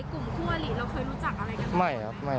กลุ่มคู่อลิเราเคยรู้จักอะไรกันไหม